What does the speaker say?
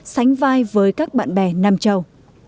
sánh vai với các bạn bè nam châu